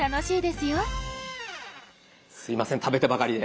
すいません食べてばかりで。